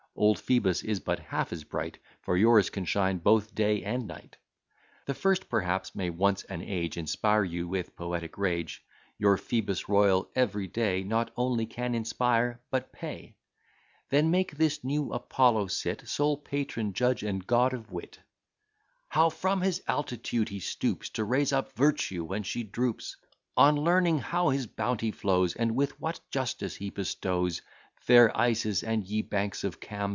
Old Phoebus is but half as bright, For yours can shine both day and night. The first, perhaps, may once an age Inspire you with poetic rage; Your Phoebus Royal, every day, Not only can inspire, but pay. Then make this new Apollo sit Sole patron, judge, and god of wit. "How from his altitude he stoops To raise up Virtue when she droops; On Learning how his bounty flows, And with what justice he bestows; Fair Isis, and ye banks of Cam!